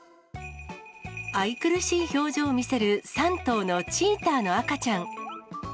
愛くるしい表情を見せる３頭のチーターの赤ちゃん。